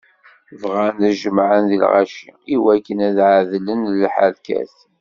Bɣan ad jemɛen deg lɣaci, iwakken ad ɛedlen lḥerkat.